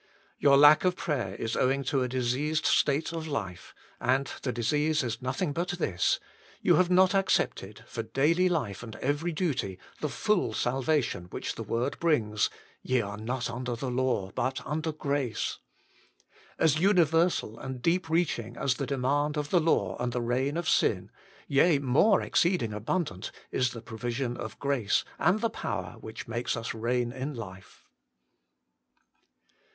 Your lack of prayer is owing to a diseased state of life, and the disease is nothing but this you have not accepted, for daily life and every duty, the full salvation which the word brings :" Ye are not under the law, but under grace." As universal and deep reaching as the demand of the law and the reign of sin, yea, more exceeding abundant, is the provision of grace and the power by which it makes us reign in life.